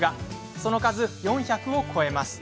その数４００を超えます。